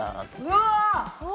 うわ！